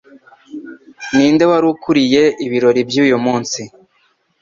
Ninde wari ukuriye ibirori by'uyu munsi?